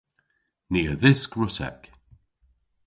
Ni a dhysk Russek.